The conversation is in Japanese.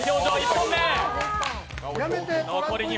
１本目。